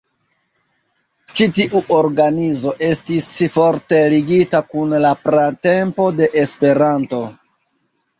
Ĉi tiu organizo estis forte ligita kun la pratempo de Esperanto.